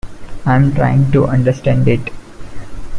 I'm trying to understand it.